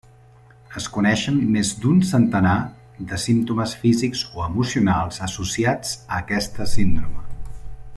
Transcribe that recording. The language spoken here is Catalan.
Es coneixen més d'un centenar de símptomes físics o emocionals associats a aquesta síndrome.